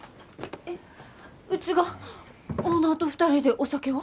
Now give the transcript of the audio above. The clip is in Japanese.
えっうちがオーナーと２人でお酒を？